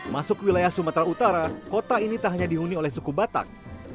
masuk wilayah sumatera utara kota ini tak hanya dihuni oleh suku batak